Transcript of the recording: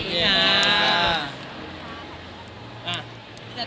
โอเคขอบคุณค่ะ